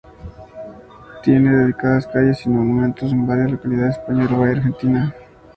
Tiene dedicadas calles y monumentos en varias localidades de España, Uruguay y Argentina.